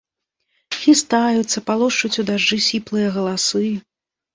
Хістаюцца, палошчуць у дажджы сіплыя галасы.